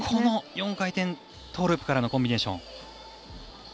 ４回転トーループからのコンビネーション。